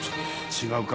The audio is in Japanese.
違うか？